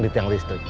di tiang listrik